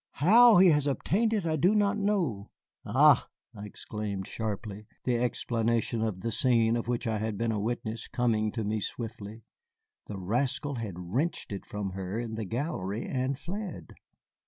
How he has obtained it I know not." "Ah!" I exclaimed sharply, the explanation of the scene of which I had been a witness coming to me swiftly. The rascal had wrenched it from her in the gallery and fled.